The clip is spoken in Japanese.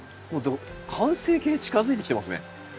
完成形近づいてきてますね。